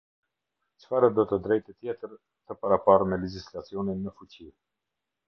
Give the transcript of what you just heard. Çfarëdo të drejte tjetër të paraparë me legjislacionin në fuqi.